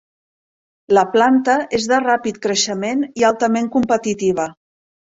La planta és de ràpid creixement i altament competitiva.